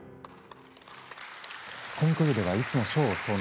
コンクールではいつも賞を総なめ。